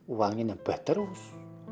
uangnya nambah terus